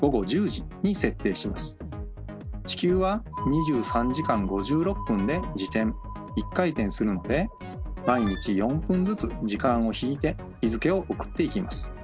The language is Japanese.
地球は２３時間５６分で自転１回転するので毎日４分ずつ時間を引いて日付を送っていきます。